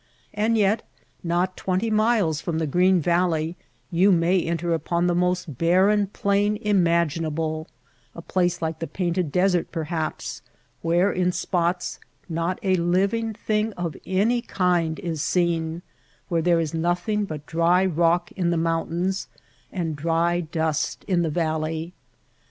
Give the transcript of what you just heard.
And yet not twenty miles from the green valley you may enter upon the most barren plain imagi nable — a place like the Painted Desert, perhaps, where in spots not a living thing of any kind is seen, where there is nothing but dry rock in the mountains and dry dust in the valley.